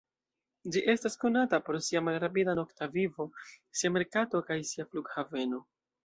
Ĝi estas konata pro sia malrapida nokta vivo, sia merkato kaj sia flughaveno.